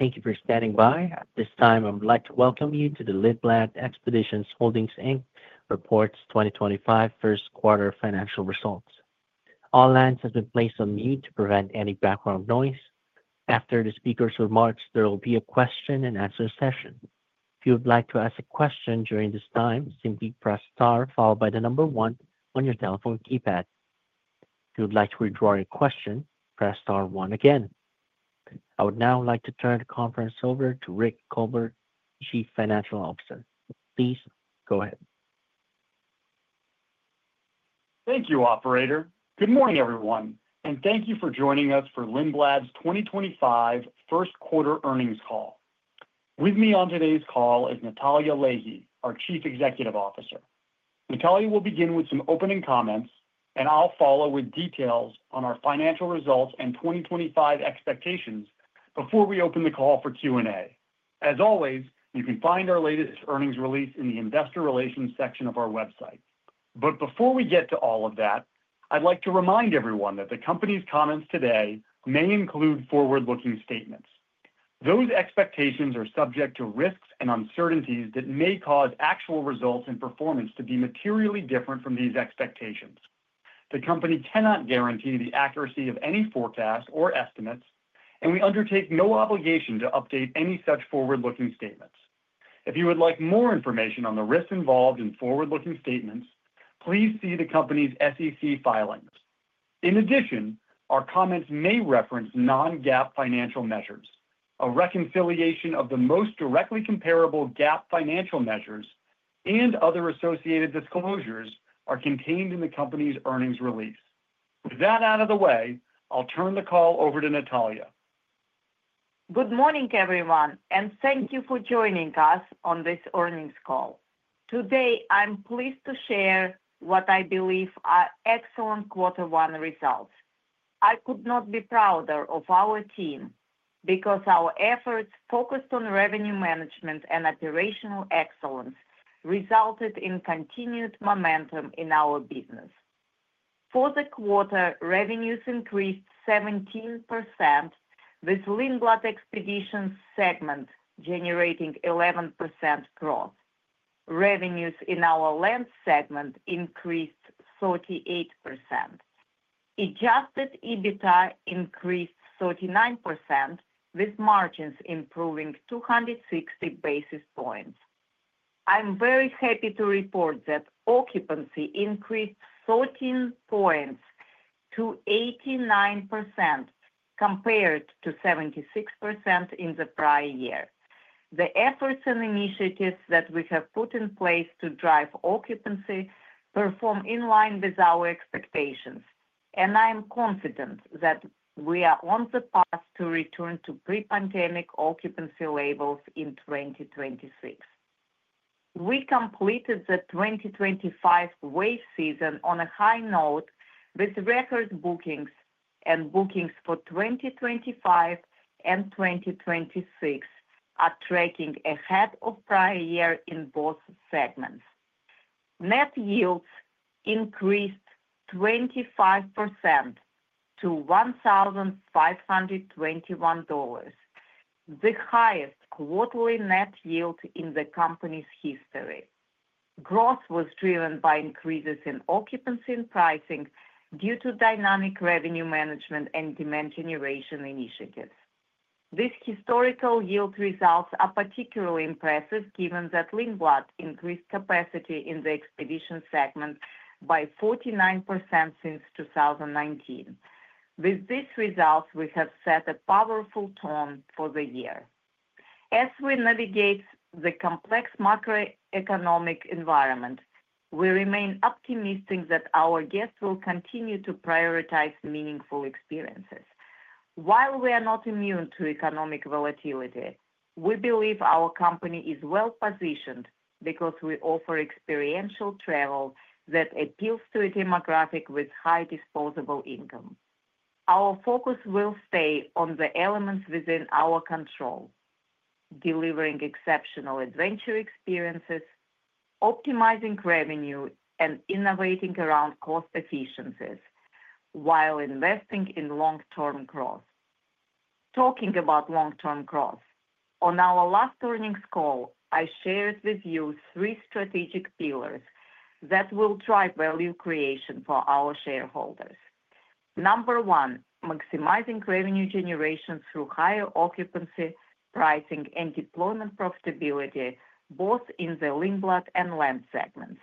Thank you for standing by. At this time, I would like to welcome you to the Lindblad Expeditions Holdings Inc. Reports 2025 First Quarter Financial Results. All lines have been placed on mute to prevent any background noise. After the speaker's remarks, there will be a question-and-answer session. If you would like to ask a question during this time, simply press star followed by the number one on your telephone keypad. If you would like to withdraw your question, press star one again. I would now like to turn the conference over to Rick Goldberg, Chief Financial Officer. Please go ahead. Thank you, Operator. Good morning, everyone, and thank you for joining us for Lindblad's 2025 First Quarter Earnings Call. With me on today's call is Natalya Leahy, our Chief Executive Officer. Natalya will begin with some opening comments, and I'll follow with details on our financial results and 2025 expectations before we open the call for Q&A. As always, you can find our latest earnings release in the Investor Relations section of our website. Before we get to all of that, I'd like to remind everyone that the company's comments today may include forward-looking statements. Those expectations are subject to risks and uncertainties that may cause actual results and performance to be materially different from these expectations. The company cannot guarantee the accuracy of any forecast or estimates, and we undertake no obligation to update any such forward-looking statements. If you would like more information on the risks involved in forward-looking statements, please see the company's SEC filings. In addition, our comments may reference non-GAAP financial measures. A reconciliation of the most directly comparable GAAP financial measures and other associated disclosures are contained in the company's earnings release. With that out of the way, I'll turn the call over to Natalya. Good morning, everyone, and thank you for joining us on this earnings call. Today, I'm pleased to share what I believe are excellent Quarter One results. I could not be prouder of our team because our efforts focused on revenue management and operational excellence resulted in continued momentum in our business. For the quarter, revenues increased 17%, with Lindblad Expeditions segment generating 11% growth. Revenues in our Land segment increased 38%. Adjusted EBITDA increased 39%, with margins improving 260 basis points. I'm very happy to report that occupancy increased 13 points to 89% compared to 76% in the prior year. The efforts and initiatives that we have put in place to drive occupancy perform in line with our expectations, and I'm confident that we are on the path to return to pre-pandemic occupancy levels in 2026. We completed the 2025 wave season on a high note, with record bookings and bookings for 2025 and 2026 are tracking ahead of the prior year in both segments. Net yields increased 25% to $1,521, the highest quarterly net yield in the company's history. Growth was driven by increases in occupancy and pricing due to dynamic revenue management and demand generation initiatives. These historical yield results are particularly impressive given that Lindblad increased capacity in the Expeditions segment by 49% since 2019. With these results, we have set a powerful tone for the year. As we navigate the complex macroeconomic environment, we remain optimistic that our guests will continue to prioritize meaningful experiences. While we are not immune to economic volatility, we believe our company is well-positioned because we offer experiential travel that appeals to a demographic with high disposable income. Our focus will stay on the elements within our control: delivering exceptional adventure experiences, optimizing revenue, and innovating around cost efficiencies while investing in long-term growth. Talking about long-term growth, on our last earnings call, I shared with you three strategic pillars that will drive value creation for our shareholders. Number one, maximizing revenue generation through higher occupancy, pricing, and deployment profitability both in the Lindblad and Land segments.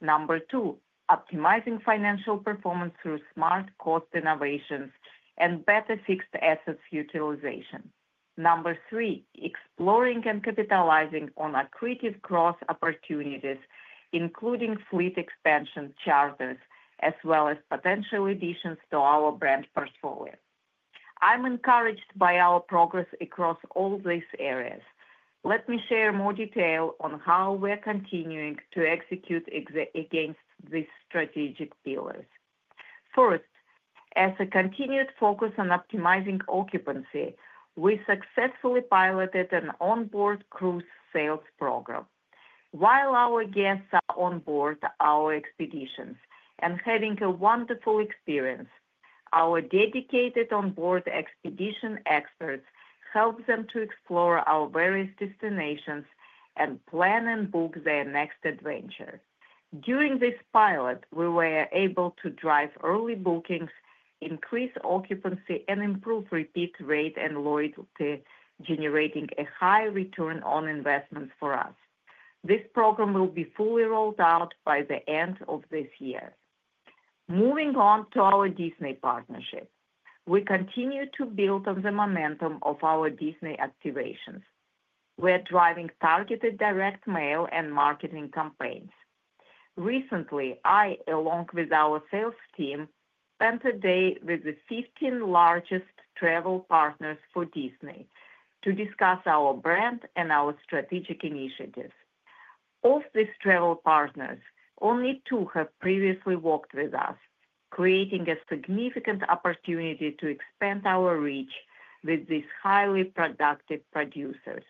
Number two, optimizing financial performance through smart cost innovations and better fixed assets utilization. Number three, exploring and capitalizing on accretive growth opportunities, including fleet expansion charters, as well as potential additions to our brand portfolio. I'm encouraged by our progress across all these areas. Let me share more detail on how we're continuing to execute against these strategic pillars. First, as a continued focus on optimizing occupancy, we successfully piloted an onboard cruise sales program. While our guests are onboard our Expeditions and having a wonderful experience, our dedicated onboard Expedition experts help them to explore our various destinations and plan and book their next adventure. During this pilot, we were able to drive early bookings, increase occupancy, and improve repeat rate and loyalty, generating a high return on investment for us. This program will be fully rolled out by the end of this year. Moving on to our Disney partnership, we continue to build on the momentum of our Disney activations. We're driving targeted direct mail and marketing campaigns. Recently, I, along with our sales team, spent a day with the 15 largest travel partners for Disney to discuss our brand and our strategic initiatives. Of these travel partners, only two have previously worked with us, creating a significant opportunity to expand our reach with these highly productive producers.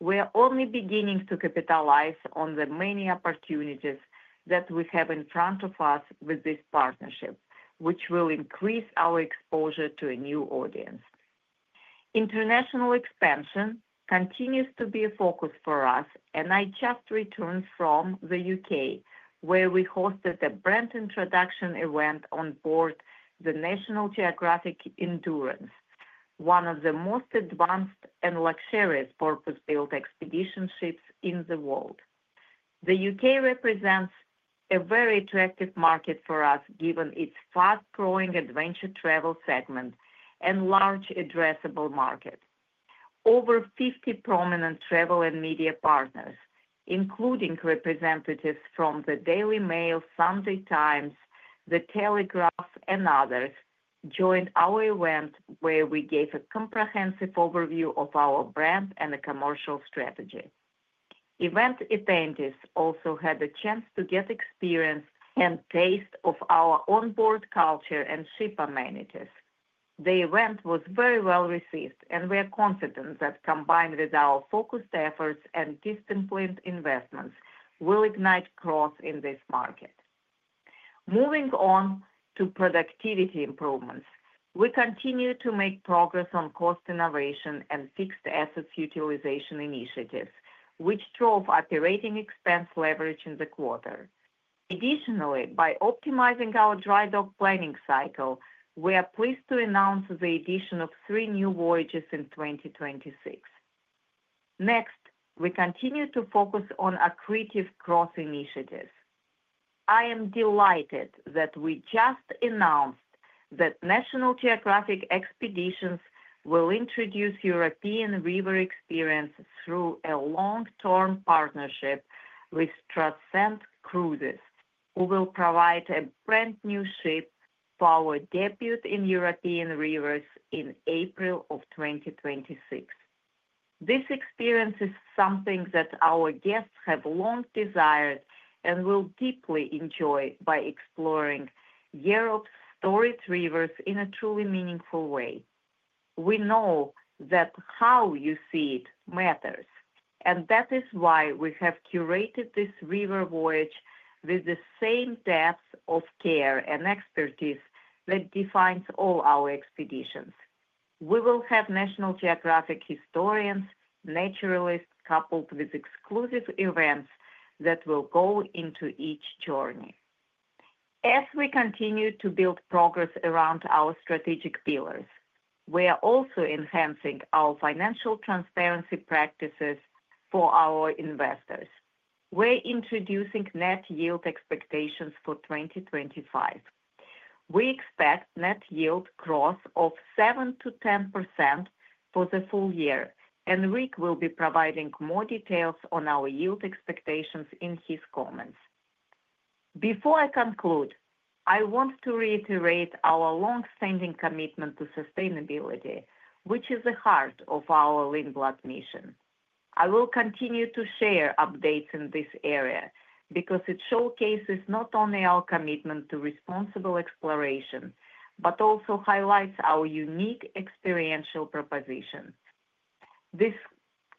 We're only beginning to capitalize on the many opportunities that we have in front of us with this partnership, which will increase our exposure to a new audience. International expansion continues to be a focus for us, and I just returned from the U.K., where we hosted a brand introduction event onboard the National Geographic Endurance, one of the most advanced and luxurious purpose-built expedition ships in the world. The U.K. represents a very attractive market for us given its fast-growing adventure travel segment and large addressable market. Over 50 prominent travel and media partners, including representatives from The Daily Mail, Sunday Times, The Telegraph, and others, joined our event, where we gave a comprehensive overview of our brand and the commercial strategy. Event attendees also had a chance to get experience and taste of our onboard culture and ship amenities. The event was very well received, and we're confident that combined with our focused efforts and disciplined investments, we'll ignite growth in this market. Moving on to productivity improvements, we continue to make progress on cost innovation and fixed assets utilization initiatives, which drove operating expense leverage in the quarter. Additionally, by optimizing our dry dock planning cycle, we're pleased to announce the addition of three new voyages in 2026. Next, we continue to focus on accretive growth initiatives. I am delighted that we just announced that National Geographic Expeditions will introduce European river experience through a long-term partnership with Transcend Cruises, who will provide a brand new ship for our debut in European rivers in April of 2026. This experience is something that our guests have long desired and will deeply enjoy by exploring Europe's storied rivers in a truly meaningful way. We know that how you see it matters, and that is why we have curated this river voyage with the same depth of care and expertise that defines all our Expeditions. We will have National Geographic historians, naturalists, coupled with exclusive events that will go into each journey. As we continue to build progress around our strategic pillars, we're also enhancing our financial transparency practices for our investors. We're introducing net yield expectations for 2025. We expect net yield growth of 7%-10% for the full year, and Rick will be providing more details on our yield expectations in his comments. Before I conclude, I want to reiterate our long-standing commitment to sustainability, which is the heart of our Lindblad mission. I will continue to share updates in this area because it showcases not only our commitment to responsible exploration but also highlights our unique experiential proposition. This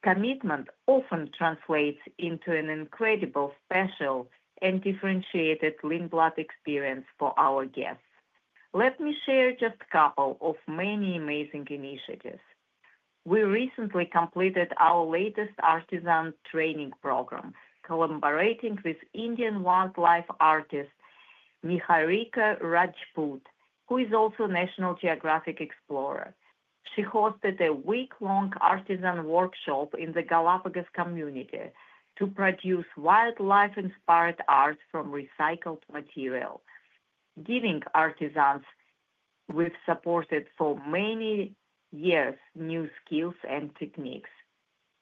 commitment often translates into an incredible, special, and differentiated Lindblad experience for our guests. Let me share just a couple of many amazing initiatives. We recently completed our latest artisan training program, collaborating with Indian wildlife artist Niharika Rajput, who is also a National Geographic Explorer. She hosted a week-long artisan workshop in the Galapagos community to produce wildlife-inspired art from recycled material, giving artisans we have supported for many years new skills and techniques.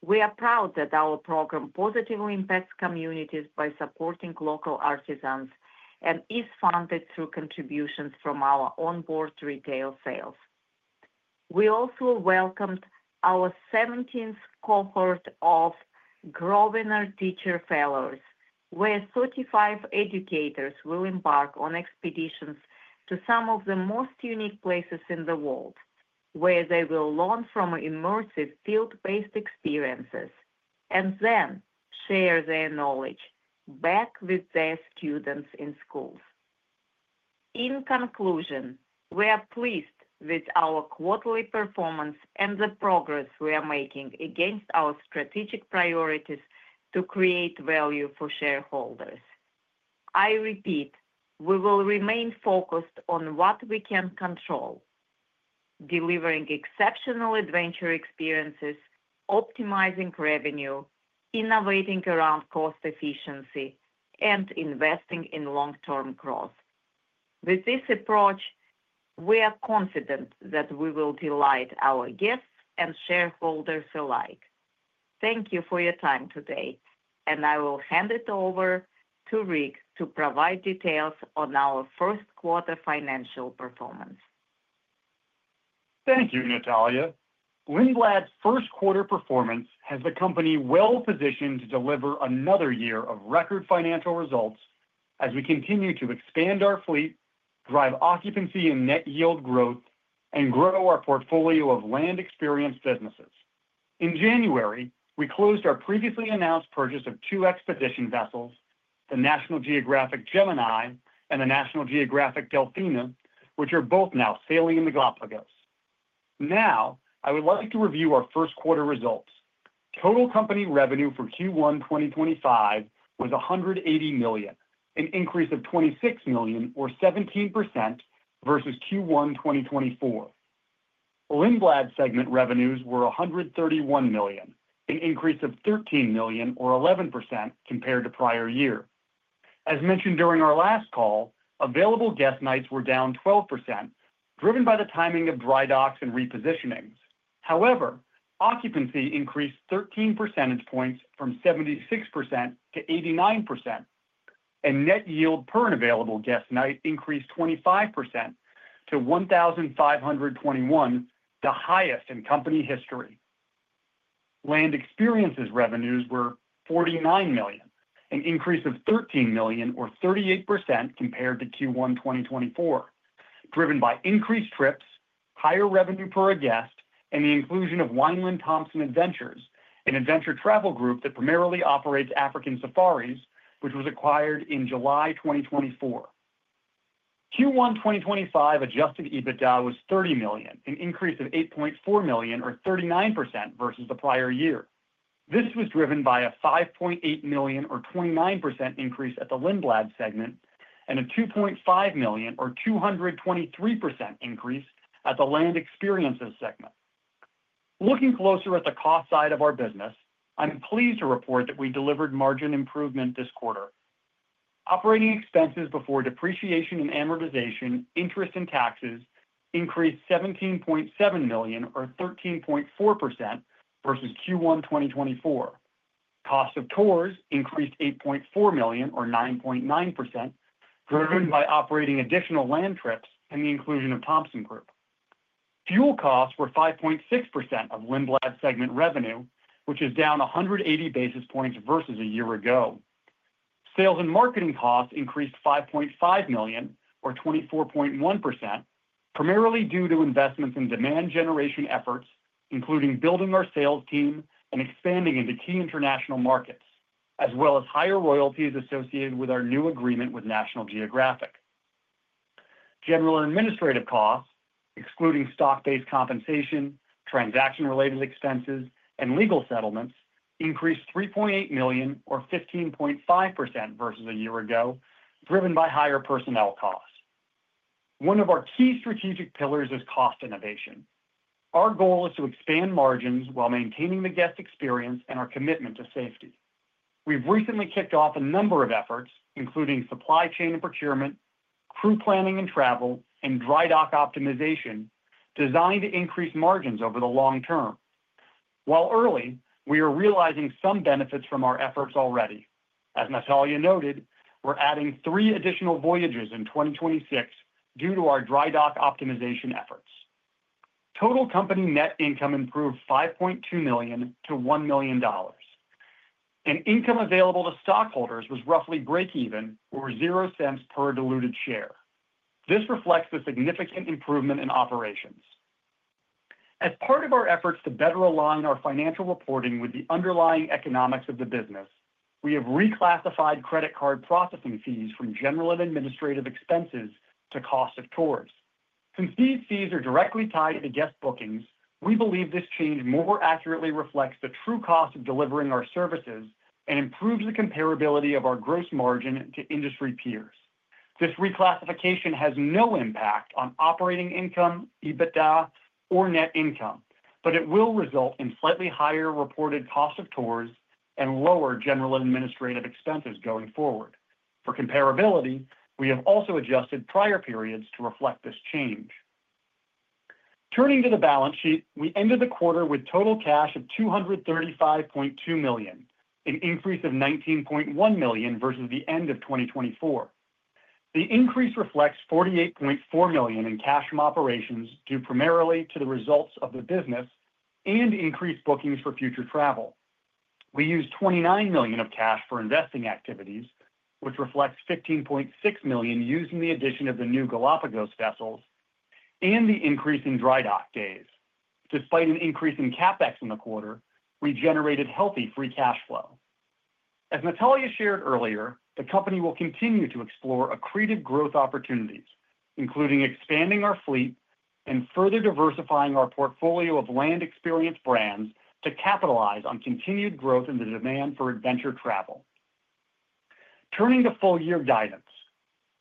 We are proud that our program positively impacts communities by supporting local artisans and is funded through contributions from our onboard retail sales. We also welcomed our 17th cohort of Grosvenor Teacher Fellow, where 35 educators will embark on expeditions to some of the most unique places in the world, where they will learn from immersive field-based experiences and then share their knowledge back with their students in schools. In conclusion, we are pleased with our quarterly performance and the progress we are making against our strategic priorities to create value for shareholders. I repeat, we will remain focused on what we can control, delivering exceptional adventure experiences, optimizing revenue, innovating around cost efficiency, and investing in long-term growth. With this approach, we are confident that we will delight our guests and shareholders alike. Thank you for your time today, and I will hand it over to Rick to provide details on our first quarter financial performance. Thank you, Natalya. Lindblad's first quarter performance has the company well-positioned to deliver another year of record financial results as we continue to expand our fleet, drive occupancy and net yield growth, and grow our portfolio of Land Experiences businesses. In January, we closed our previously announced purchase of two expedition vessels, the National Geographic Gemini and the National Geographic Delfina, which are both now sailing in the Galapagos. Now, I would like to review our first quarter results. Total company revenue for Q1 2025 was $180 million, an increase of $26 million, or 17% versus Q1 2024. Lindblad segment revenues were $131 million, an increase of $13 million, or 11% compared to prior year. As mentioned during our last call, available guest nights were down 12%, driven by the timing of dry docks and repositionings. However, occupancy increased 13 percentage points from 76% to 89%, and net yield per available guest night increased 25% to $1,521, the highest in company history. Land Experiences revenues were $49 million, an increase of $13 million, or 38% compared to Q1 2024, driven by increased trips, higher revenue per guest, and the inclusion of Wineland-Thomson Adventures, an adventure travel group that primarily operates African safaris, which was acquired in July 2024. Q1 2025 Adjusted EBITDA was $30 million, an increase of $8.4 million, or 39% versus the prior year. This was driven by a $5.8 million, or 29% increase at the Lindblad segment, and a $2.5 million, or 223% increase at the Land Experiences segment. Looking closer at the cost side of our business, I'm pleased to report that we delivered margin improvement this quarter. Operating expenses before depreciation and amortization, interest and taxes increased $17.7 million, or 13.4% versus Q1 2024. Cost of tours increased $8.4 million, or 9.9%, driven by operating additional Land trips and the inclusion of Thompson Group. Fuel costs were 5.6% of Lindblad segment revenue, which is down 180 basis points versus a year ago. Sales and marketing costs increased $5.5 million, or 24.1%, primarily due to investments in demand generation efforts, including building our sales team and expanding into key international markets, as well as higher royalties associated with our new agreement with National Geographic. General and administrative costs, excluding stock-based compensation, transaction-related expenses, and legal settlements, increased $3.8 million, or 15.5% versus a year ago, driven by higher personnel costs. One of our key strategic pillars is cost innovation. Our goal is to expand margins while maintaining the guest experience and our commitment to safety. We've recently kicked off a number of efforts, including supply chain and procurement, crew planning and travel, and dry dock optimization, designed to increase margins over the long term. While early, we are realizing some benefits from our efforts already. As Natalya noted, we're adding three additional voyages in 2026 due to our dry dock optimization efforts. Total company net income improved $5.2 million to $1 million. Income available to stockholders was roughly breakeven, or $0 per diluted share. This reflects a significant improvement in operations. As part of our efforts to better align our financial reporting with the underlying economics of the business, we have reclassified credit card processing fees from general and administrative expenses to cost of tours. Since these fees are directly tied to the guest bookings, we believe this change more accurately reflects the true cost of delivering our services and improves the comparability of our gross margin to industry peers. This reclassification has no impact on operating income, EBITDA, or net income, but it will result in slightly higher reported cost of tours and lower general and administrative expenses going forward. For comparability, we have also adjusted prior periods to reflect this change. Turning to the balance sheet, we ended the quarter with total cash of $235.2 million, an increase of $19.1 million versus the end of 2024. The increase reflects $48.4 million in cash from operations due primarily to the results of the business and increased bookings for future travel. We used $29 million of cash for investing activities, which reflects $15.6 million used in the addition of the new Galapagos vessels and the increase in dry dock days. Despite an increase in CapEx in the quarter, we generated healthy free cash flow. As Natalya shared earlier, the company will continue to explore accretive growth opportunities, including expanding our fleet and further diversifying our portfolio of Land Experience brands to capitalize on continued growth in the demand for adventure travel. Turning to full-year guidance,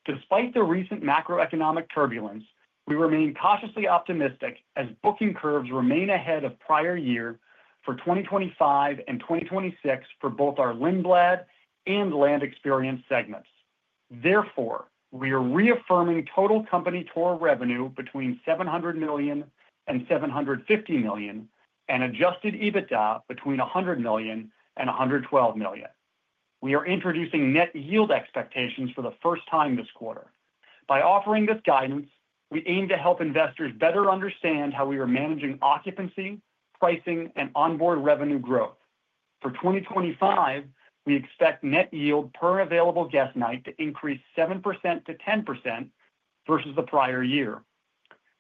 despite the recent macroeconomic turbulence, we remain cautiously optimistic as booking curves remain ahead of prior year for 2025 and 2026 for both our Lindblad and Land Experience segments. Therefore, we are reaffirming total company tour revenue between $700 million and $750 million and Adjusted EBITDA between $100 million and $112 million. We are introducing net yield expectations for the first time this quarter. By offering this guidance, we aim to help investors better understand how we are managing occupancy, pricing, and onboard revenue growth. For 2025, we expect net yield per available guest night to increase 7%-10% versus the prior year.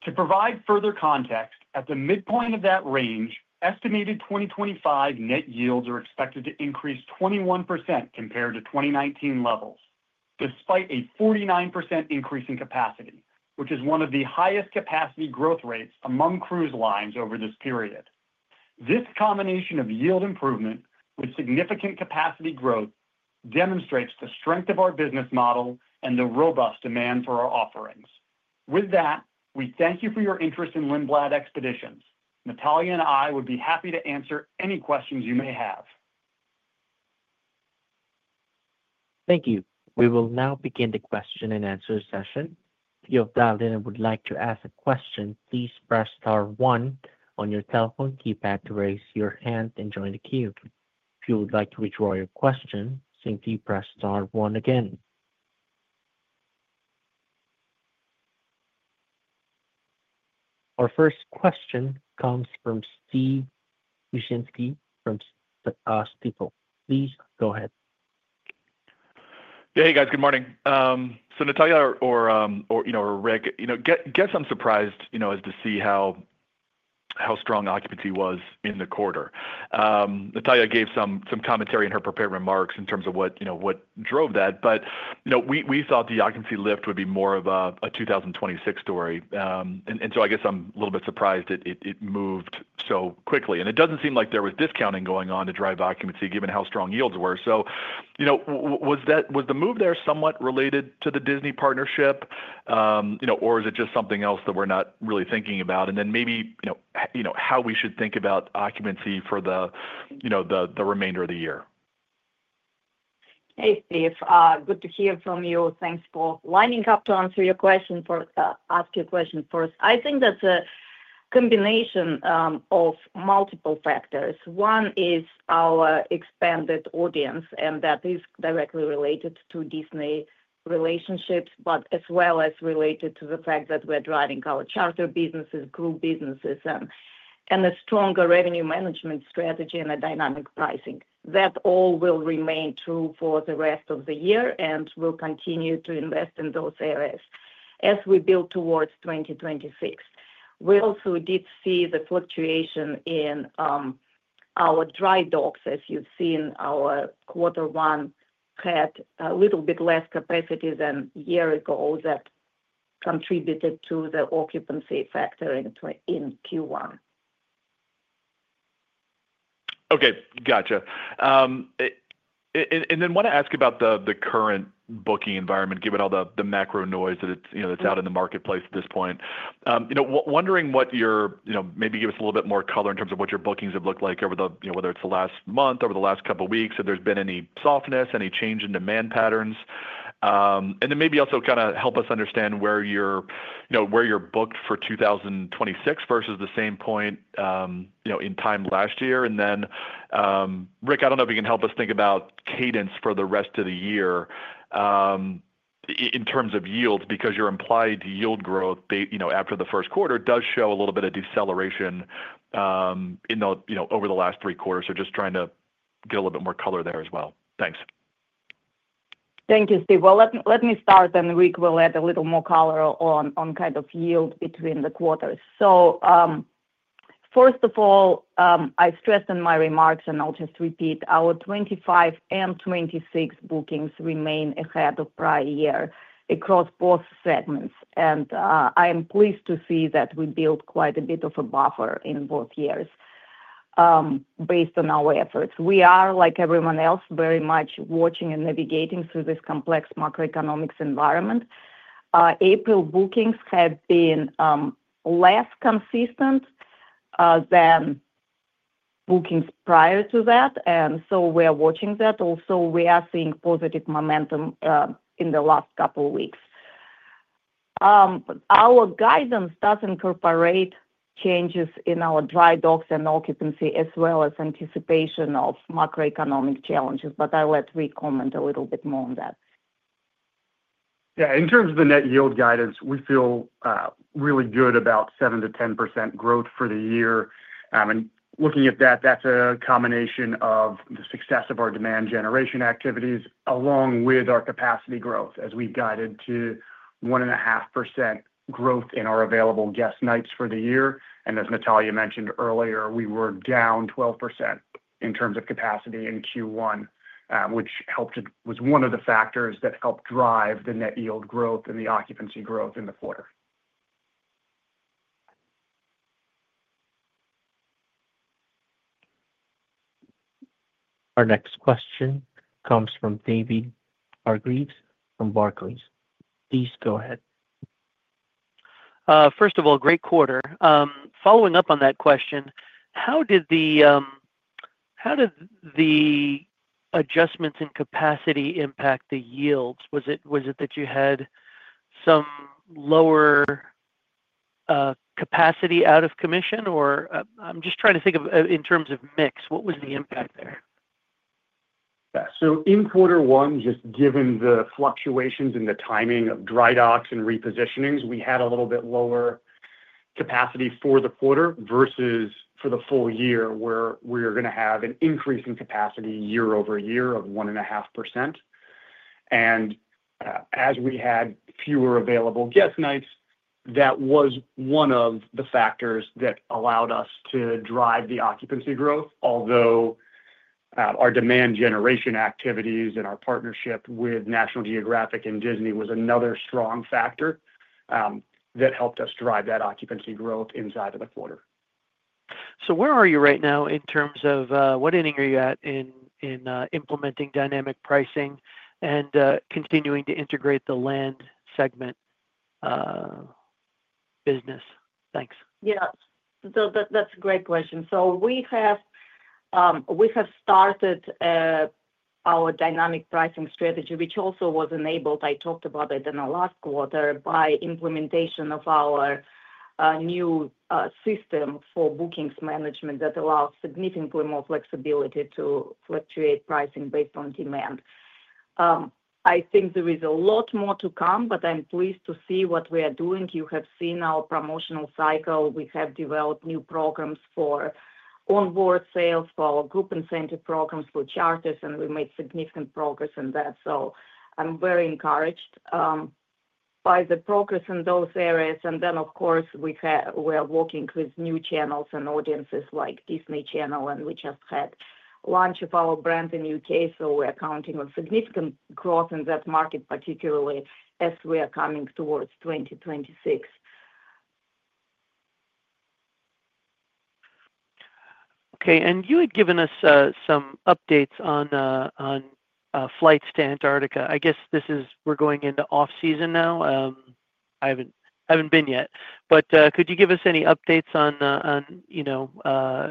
To provide further context, at the midpoint of that range, estimated 2025 net yields are expected to increase 21% compared to 2019 levels, despite a 49% increase in capacity, which is one of the highest capacity growth rates among cruise lines over this period. This combination of yield improvement with significant capacity growth demonstrates the strength of our business model and the robust demand for our offerings. With that, we thank you for your interest in Lindblad Expeditions. Natalya and I would be happy to answer any questions you may have. Thank you. We will now begin the question and answer session. If you have dialed in and would like to ask a question, please press star one on your telephone keypad to raise your hand and join the queue. If you would like to withdraw your question, simply press star one again. Our first question comes from Steve Wieczynski from Stifel. Please go ahead. Yeah, hey, guys. Good morning. Natalya or Rick, I guess I'm surprised to see how strong occupancy was in the quarter. Natalya gave some commentary in her prepared remarks in terms of what drove that. We thought the occupancy lift would be more of a 2026 story. I guess I'm a little bit surprised it moved so quickly. It does not seem like there was discounting going on to drive occupancy given how strong yields were. Was the move there somewhat related to the Disney partnership, or is it just something else that we're not really thinking about? Maybe how should we think about occupancy for the remainder of the year. Hey, Steve. Good to hear from you. Thanks for lining up to ask your question first. I think that's a combination of multiple factors. One is our expanded audience, and that is directly related to Disney relationships, but as well as related to the fact that we're driving our charter businesses, group businesses, and a stronger revenue management strategy and a dynamic pricing. That all will remain true for the rest of the year and will continue to invest in those areas as we build towards 2026. We also did see the fluctuation in our dry docks, as you've seen our quarter one had a little bit less capacity than a year ago that contributed to the occupancy factor in Q1. Okay. Gotcha. I want to ask about the current booking environment, given all the macro noise that's out in the marketplace at this point. Wondering what your, maybe give us a little bit more color in terms of what your bookings have looked like over the, whether it's the last month, over the last couple of weeks, if there's been any softness, any change in demand patterns. Maybe also kind of help us understand where you're booked for 2026 versus the same point in time last year. Rick, I don't know if you can help us think about cadence for the rest of the year in terms of yields because your implied yield growth after the first quarter does show a little bit of deceleration over the last three quarters. Just trying to get a little bit more color there as well. Thanks. Thank you, Steve. Let me start, and Rick will add a little more color on kind of yield between the quarters. First of all, I stressed in my remarks, and I'll just repeat, our 2025 and 2026 bookings remain ahead of prior year across both segments. I am pleased to see that we built quite a bit of a buffer in both years based on our efforts. We are, like everyone else, very much watching and navigating through this complex macroeconomic environment. April bookings have been less consistent than bookings prior to that. We are watching that. Also, we are seeing positive momentum in the last couple of weeks. Our guidance does incorporate changes in our dry docks and occupancy as well as anticipation of macroeconomic challenges. I'll let Rick comment a little bit more on that. Yeah. In terms of the net yield guidance, we feel really good about 7%-10% growth for the year. In looking at that, that's a combination of the success of our demand generation activities along with our capacity growth as we've guided to 1.5% growth in our available guest nights for the year. As Natalya mentioned earlier, we were down 12% in terms of capacity in Q1, which was one of the factors that helped drive the net yield growth and the occupancy growth in the quarter. Our next question comes from David Hargreaves from Barclays. Please go ahead. First of all, great quarter. Following up on that question, how did the adjustments in capacity impact the yields? Was it that you had some lower capacity out of commission? I am just trying to think of in terms of mix. What was the impact there? Yeah. In quarter one, just given the fluctuations in the timing of dry docks and repositionings, we had a little bit lower capacity for the quarter versus for the full year where we were going to have an increase in capacity year over year of 1.5%. As we had fewer available guest nights, that was one of the factors that allowed us to drive the occupancy growth, although our demand generation activities and our partnership with National Geographic and Disney was another strong factor that helped us drive that occupancy growth inside of the quarter. Where are you right now in terms of what ending are you at in implementing dynamic pricing and continuing to integrate the Land segment business? Thanks. Yeah. So that's a great question. We have started our dynamic pricing strategy, which also was enabled, I talked about it in the last quarter, by implementation of our new system for bookings management that allows significantly more flexibility to fluctuate pricing based on demand. I think there is a lot more to come, but I'm pleased to see what we are doing. You have seen our promotional cycle. We have developed new programs for onboard sales, for our group incentive programs for charters, and we made significant progress in that. I'm very encouraged by the progress in those areas. Of course, we are working with new channels and audiences like Disney Channel, and we just had launch of our brand in the U.K. We are accounting for significant growth in that market, particularly as we are coming towards 2026. Okay. You had given us some updates on the flights to Antarctica. I guess this is we're going into off-season now. I haven't been yet. Could you give us any updates on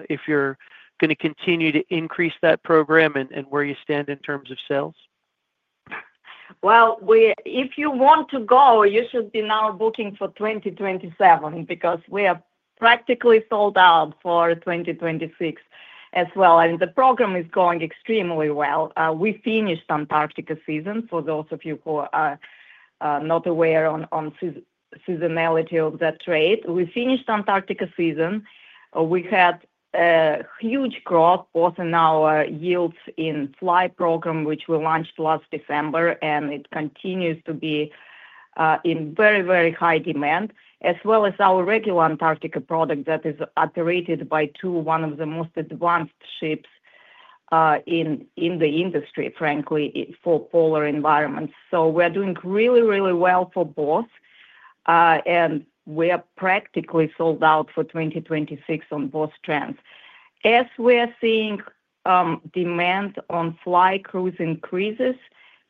if you're going to continue to increase that program and where you stand in terms of sales? If you want to go, you should be now booking for 2027 because we are practically sold out for 2026 as well. The program is going extremely well. We finished Antarctica season. For those of you who are not aware on seasonality of that trade, we finished Antarctica season. We had a huge growth both in our yields in flight program, which we launched last December, and it continues to be in very, very high demand, as well as our regular Antarctica product that is operated by two of the most advanced ships in the industry, frankly, for polar environments. We are doing really, really well for both, and we are practically sold out for 2026 on both trends. As we are seeing demand on fly cruise increases,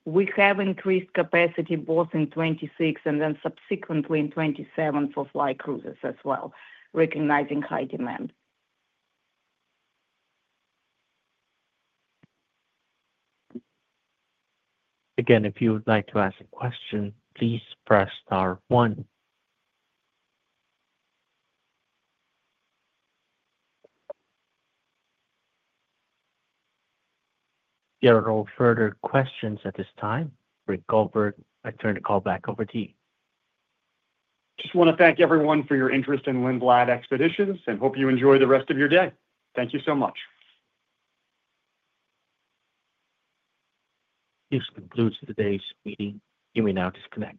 we have increased capacity both in 2026 and then subsequently in 2027 for fly cruises as well, recognizing high demand. Again, if you would like to ask a question, please press star one. There are no further questions at this time. Rick Goldberg, I turn the call back over to you. Just want to thank everyone for your interest in Lindblad Expeditions and hope you enjoy the rest of your day. Thank you so much. This concludes today's meeting. You may now disconnect.